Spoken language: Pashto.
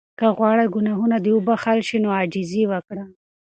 که غواړې ګناهونه دې وبخښل شي نو عاجزي وکړه.